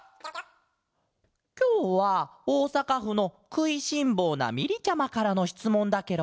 きょうはおおさかふの「くいしんぼうなみり」ちゃまからのしつもんだケロ！